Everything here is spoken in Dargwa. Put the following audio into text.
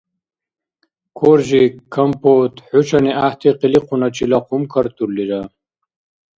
Коржик, Компот хӀушани гӀяхӀти къиликъуначила хъумкартурлира.